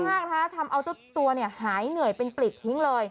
มากนะคะทำเอาเจ้าตัวเนี่ยหายเหนื่อยเป็นปลิดทิ้งเลย